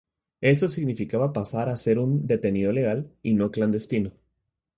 Esto significaba pasar a ser un detenido legal y no clandestino.